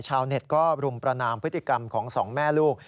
ชาวเน็ตก็รุมประนามพฤติกรรมของสองแม่ลูก